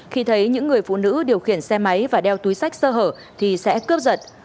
khi thấy những người phụ nữ điều khiển xe máy và đeo túi sách sơ hở thì sẽ cướp giật